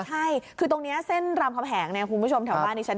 ใช่คือตรงนี้เส้นรัมคมแหงคุณผู้ชมแถวบ้านชั้น